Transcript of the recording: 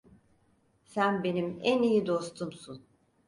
Sen benim en iyi dostumsun.